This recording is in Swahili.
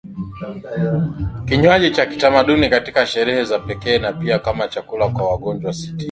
kinywaji cha kitamaduni katika sherehe za pekee na pia kama chakula kwa wagonjwa Sitini